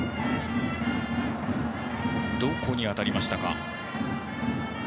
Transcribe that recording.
どこに当たりましたか。